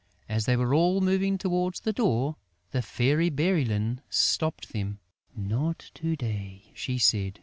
As they were all moving towards the door, the Fairy Bérylune stopped them: "Not to day," she said.